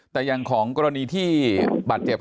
ท่านรองโฆษกครับ